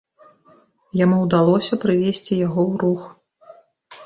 Яму ўдалося прывесці яго ў рух.